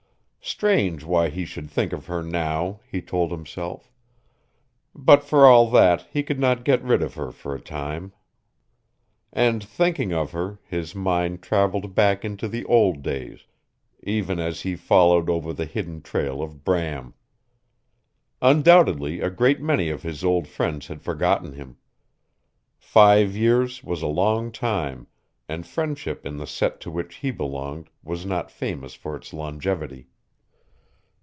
Strange why he should think of her now, he told himself; but for all that he could not get rid of her for a time. And thinking of her, his mind traveled back into the old days, even as he followed over the hidden trail of Bram. Undoubtedly a great many of his old friends had forgotten him. Five years was a long time, and friendship in the set to which he belonged was not famous for its longevity.